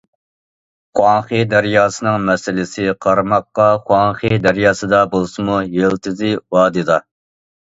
خۇاڭخې دەرياسىنىڭ مەسىلىسى قارىماققا خۇاڭخې دەرياسىدا بولسىمۇ، يىلتىزى ۋادىدا.